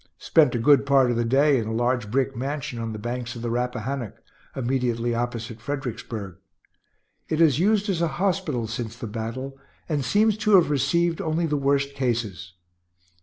Spent a good part of the day in a large brick mansion on the banks of the Rappahannock, immediately opposite Fredericksburg. It is used as a hospital since the battle, and seems to have received only the worst cases.